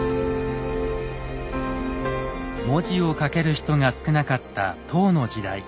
文字を書ける人が少なかった唐の時代。